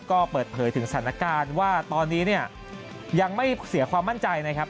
ก็เปิดเผยถึงสถานการณ์ว่าตอนนี้เนี่ยยังไม่เสียความมั่นใจนะครับ